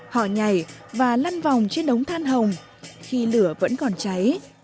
họ nhảy và lăn vòng trên đống than hồng khi lửa vẫn còn cháy